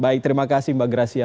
baik terima kasih mbak gracia